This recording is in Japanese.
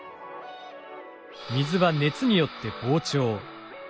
水は熱によって膨張。